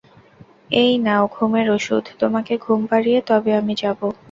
এই নাও ঘুমের ওষুধ, তোমাকে ঘুম পাড়িয়ে তবে আমি যাব।